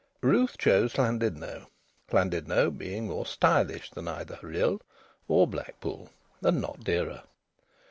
Ruth chose Llandudno, Llandudno being more stylish than either Rhyl or Blackpool, and not dearer.